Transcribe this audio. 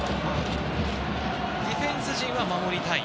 ディフェンス陣は守りたい。